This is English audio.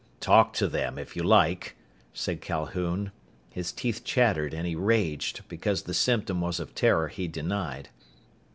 "Talk to them, if you like," said Calhoun. His teeth chattered and he raged, because the symptom was of terror he denied.